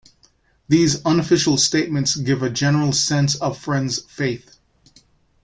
These unofficial statements give a general sense of Friends' faith.